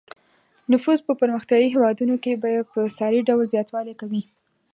نفوس په پرمختیايي هېوادونو کې په بې ساري ډول زیاتوالی کوي.